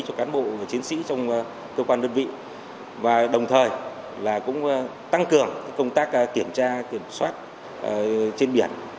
cho cán bộ chiến sĩ trong cơ quan đơn vị và đồng thời là cũng tăng cường công tác kiểm tra kiểm soát trên biển